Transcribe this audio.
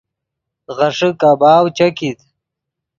غیݰے کباؤ چے کیت